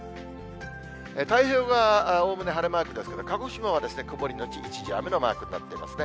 太平洋側、おおむね晴れマークですが、鹿児島は曇り後一時雨のマークになってますね。